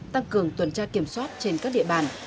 tăng cường tuần tra kiểm soát trên các địa bàn